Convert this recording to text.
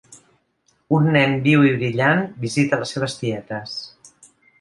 Un nen viu i brillant visita les seves tietes.